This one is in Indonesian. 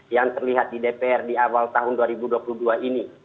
yang terlihat di dpr di awal tahun dua ribu dua puluh dua ini